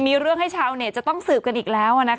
มีเรื่องให้ชาวเน็ตจะต้องสืบกันอีกแล้ว